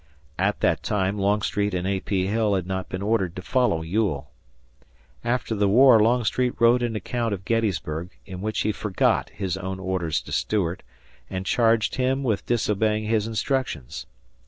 At that time Longstreet and A. P. Hill had not been ordered to follow Ewell. After the war Longstreet wrote an account of Gettysburg, in which he forgot his own orders to Stuart and charged him with disobeying his instructions.